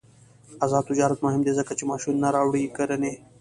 آزاد تجارت مهم دی ځکه چې ماشینونه راوړي کرنې.